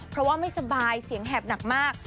เพราะว่าไม่สบายเสียงแหบหนักมาก